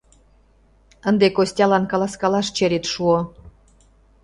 Ынде Костялан каласкалаш черет шуо.